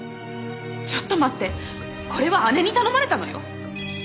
ちょっと待ってこれは姉に頼まれたのよ？